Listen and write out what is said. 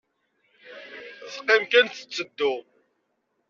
Teqqim kan tetteddu.